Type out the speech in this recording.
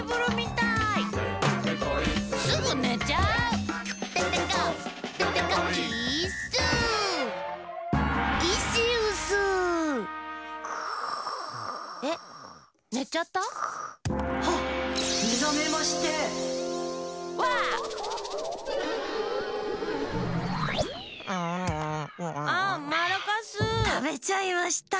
たべちゃいました。